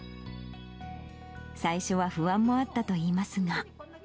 最初は不安もあったといいますが。